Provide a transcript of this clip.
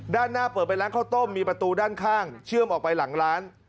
ด้านหน้าเปิดเป็นร้านข้าวต้มมีประตูด้านข้างเชื่อมออกไปหลังร้าน